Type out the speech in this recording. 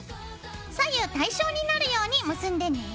左右対称になるように結んでね。